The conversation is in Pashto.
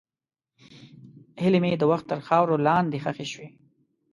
هیلې مې د وخت تر خاورو لاندې ښخې شوې.